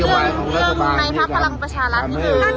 เรื่องเพิ่มลองค่ะเรื่องเรื่องในภักดิ์พลังประชารัฐนี่คือ